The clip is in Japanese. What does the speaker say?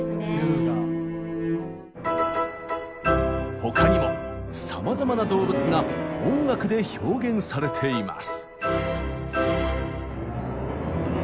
他にもさまざまな動物が音楽で表現されています。